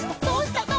どうした？」